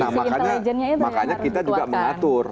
nah makanya kita juga mengatur